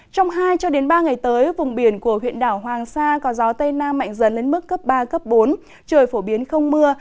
trong hai ba ngày tới vùng biển của huyện đảo hoàng sa có gió tây nam mạnh dần lên mức cấp ba cấp bốn trời phổ biến không mưa